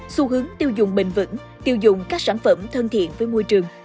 xu hướng tiêu dùng bình vẩn tiêu dùng các sản phẩm thân thiện với môi trường